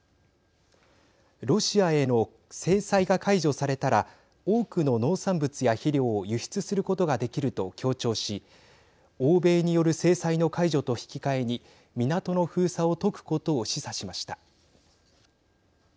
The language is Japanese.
ロシアへの制裁が解除されたら多くの農産物や肥料を輸出することができると強調し欧米による制裁の解除と引き換えに港の封鎖を解くことを示唆しました。